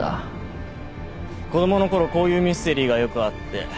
子供の頃こういうミステリーがよくあって橋の上が舞台だった。